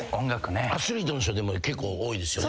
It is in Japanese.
アスリートの人結構多いですよね。